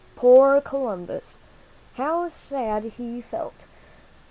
Poor Columbus! How sad he felt!